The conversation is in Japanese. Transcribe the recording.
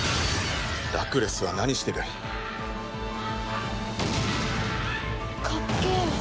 ラクレスは何してる？かっけえ！